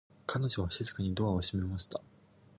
彼女は静かにドアを閉めました。